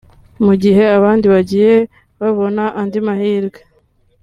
mu gihe abandi bagiye babona andi mahirwe